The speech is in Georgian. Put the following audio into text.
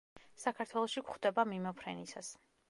საქართველოში გვხვდება მიმოფრენისას.